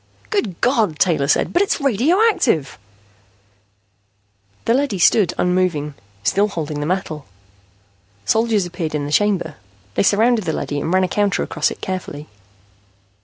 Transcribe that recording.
"Good God!" Taylor said. "But it's radioactive!" The leady stood unmoving, still holding the metal. Soldiers appeared in the chamber. They surrounded the leady and ran a counter across it carefully.